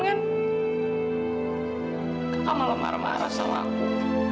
aku malah marah marah sama aku